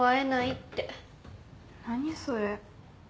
何それ。